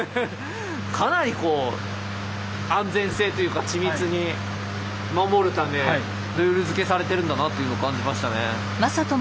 かなりこう安全性というか緻密に守るためルール付けされてるんだなっていうの感じましたね。